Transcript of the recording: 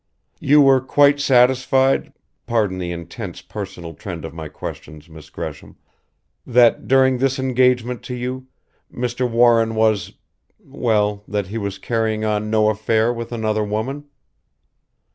"You were quite satisfied pardon the intense personal trend of my questions, Miss Gresham that during his engagement to you, Mr. Warren was well, that he was carrying on no affair with another woman?"